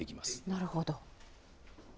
なるほど。